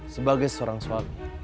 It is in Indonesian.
sebagai seorang suami